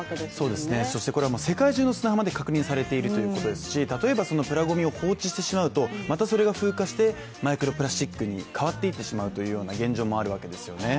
そしてこれは世界中の砂浜で確認されているということですが例えばプラごみを放置してしまうとまたそれが風化してマイクロプラスチックに変わっていってしまうという現状もあるわけですね。